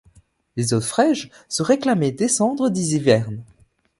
Les Osfraiges se réclamaient descendre des Ivernes.